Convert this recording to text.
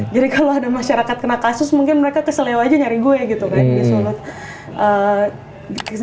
jadi kalau ada masyarakat kena kasus mungkin mereka ke selew aja nyari gue gitu kan